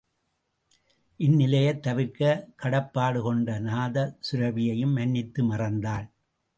இந்நிலையைத் தவிர்க்கக் கடப்பாடு கொண்ட நாதசுரபியையும் மன்னித்து மறந்தாள்.